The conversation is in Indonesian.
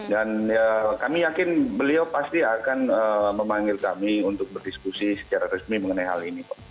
dan kami yakin beliau pasti akan memanggil kami untuk berdiskusi secara resmi mengenai hal ini